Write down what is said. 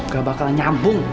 gak bakal nyambung